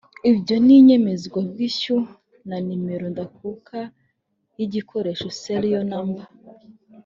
ibyo ni inyemezabwishyu na nimero ndakuka y’igikoresho ‘’Serial number’’